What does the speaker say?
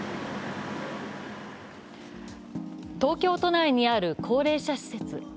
東京都内にある高齢者施設。